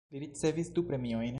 Li ricevis du premiojn.